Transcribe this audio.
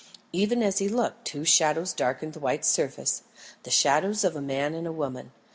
Even as he looked, two shadows darkened the white surface the shadows of a man and a woman.